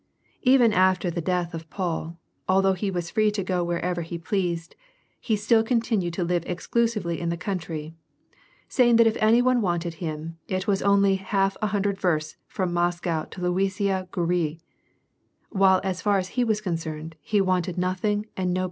Even after the death of Paul, although he was free to go wherever he pleased, he still continued to live exclusively in the country, saying that if any one wanted him, it was only half a hundred versts from Moscow to Luisiya Gorui, while as far as he was concerned he wanted nothing and nobody.